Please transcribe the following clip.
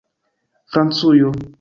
Francujo